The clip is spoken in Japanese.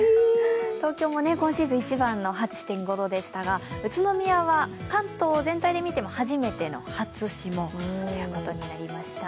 東京もね、今シーズン一番の８．５度でしたが宇都宮は関東全体で見ても初めての初霜ということになりました。